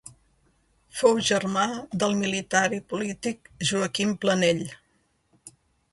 Fou germà del militar i polític Joaquim Planell.